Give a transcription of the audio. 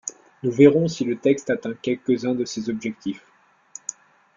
Nous verrons si le texte atteint quelques-uns de ses objectifs.